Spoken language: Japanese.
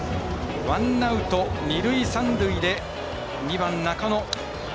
ワンアウト、二塁三塁で２番、中野。